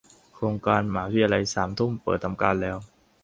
โครงการมหาวิทยาลัยสามทุ่ม เปิดทำการแล้ว